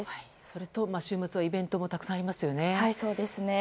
それと、週末はイベントたくさんありますよね。